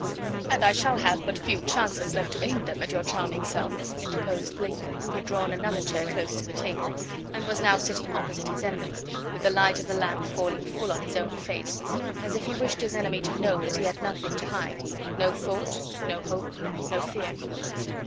"And I shall have but few chances left to aim them at your charming self," interposed Blakeney, who had drawn another chair close to the table and was now sitting opposite his enemy, with the light of the lamp falling full on his own face, as if he wished his enemy to know that he had nothing to hide, no thought, no hope, no fear.